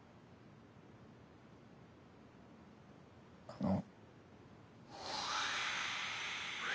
あの。